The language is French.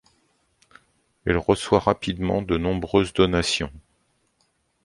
Elle reçoit rapidement de nombreuses donations.